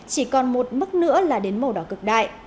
chỉ còn một mức nữa là đến màu đỏ cực đại